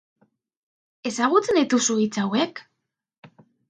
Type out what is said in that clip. Ezagutzen dituzu hitz hauek?